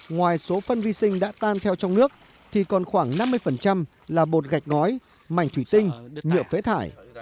ngoài số phân vi sinh đã tan theo trong nước thì còn khoảng năm mươi là bột gạch ngói mảnh thủy tinh nhựa phế thải